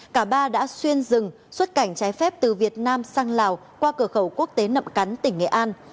cả ba đã xuyên dừng xuất cảnh trái phép từ việt nam sang lào qua cửa khẩu quốc tế nậm cắn tỉnh nghệ an